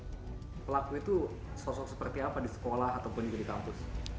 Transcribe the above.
pelaku itu sosok seperti apa di sekolah ataupun juga di kampus